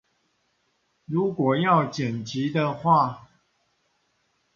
如果要剪輯的話